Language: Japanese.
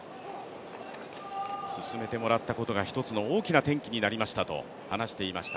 勧めてもらったことが一つの大きな転機になりましたと話していました。